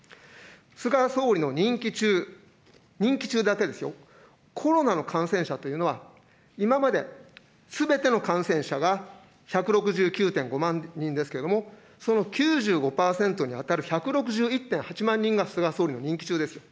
菅総理の任期中、任期中だけでですよ、コロナの感染者というのは、今まですべての感染者が１６９．５万人ですけれども、その９５％に当たる１６１．８万人が菅総理の任期中です。